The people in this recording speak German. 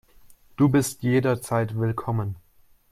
Du bist jederzeit willkommen.